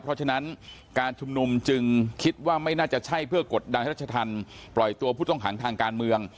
เพราะฉะนั้นการชุมนุมจึงคิดว่าไม่น่าจะใช่เพื่อกดดันให้รัชธรรมปล่อยตัวผู้ต้องขังทางการเมือง